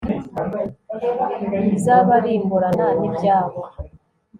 izabarimburana n'ibyabo